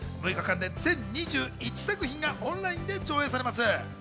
６日間で全２１作品がオンラインで上映されます。